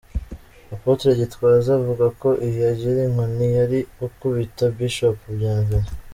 Apotre Gitwaza avuga ko iyo agira inkoni yari gukubita Bishop Bienvenue.